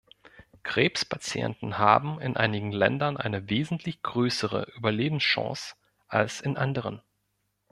Krebspatienten haben in einigen Ländern eine wesentlich größere Überlebenschance als in anderen.